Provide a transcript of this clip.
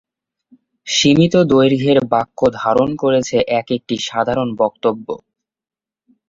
সীমিত দৈর্ঘের বাক্য ধারণ করেছে এক-একটি সাধারণ বক্তব্য।